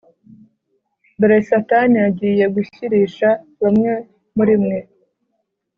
Dore Satani agiye gushyirisha bamwe muri mwe